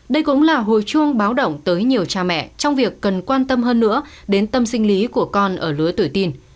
đây cũng là hồi chuông báo động tới nhiều cha mẹ trong việc cần quan tâm hơn nữa đến tâm sinh lý của con ở lứa tuổi tin